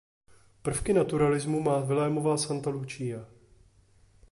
Prvky naturalismu má Vilémova "Santa Lucia".